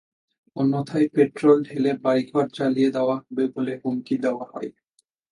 অন্যথায় পেট্রল ঢেলে বাড়িঘর জ্বালিয়ে দেওয়া হবে বলে হুমকি দেওয়া হয়।